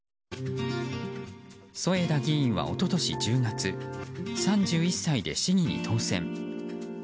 添田議員は一昨年１０月３１歳で市議に当選。